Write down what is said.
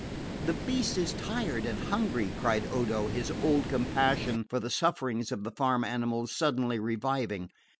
"The beast is tired and hungry," cried Odo, his old compassion for the sufferings of the farm animals suddenly reviving.